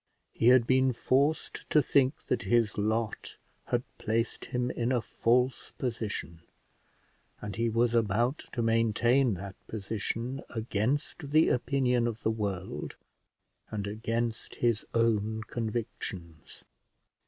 He had been forced to think that his lot had placed him in a false position, and he was about to maintain that position against the opinion of the world and against his own convictions.